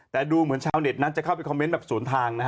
แต่ดูเหมือนชาวเน็ตนั้นจะเข้าไปคอมเมนต์แบบสวนทางนะฮะ